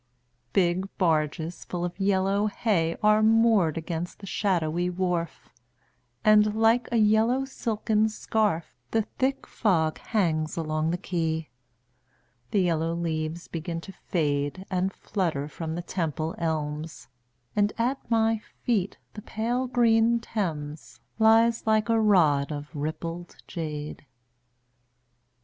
Big barges full of yellow hay Are moored against the shadowy wharf, And, like a yellow silken scarf, The thick fog hangs along the quay. The yellow leaves begin to fade And flutter from the Temple elms, And at my feet the pale green Thames Lies like a rod of rippled jade.